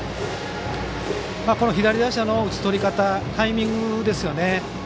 左打者の打ちとり方タイミングですよね。